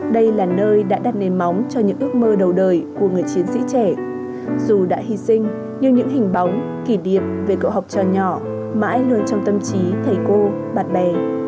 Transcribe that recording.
đây là nơi đã đặt nền móng cho những ước mơ đầu đời của người chiến sĩ trẻ dù đã hy sinh nhưng những hình bóng kỷ niệm về cậu học trò nhỏ mãi luôn trong tâm trí thầy cô bạn bè